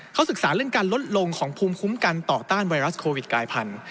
เขาศึกษาเรื่องการลดลงของภูมิคุ้มกันต่อต้านไวรัสโควิดกายพันธุ